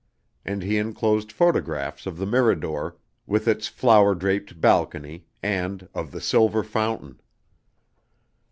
And he enclosed photographs of the Mirador, with its flower draped balcony, and of the "silver fountain."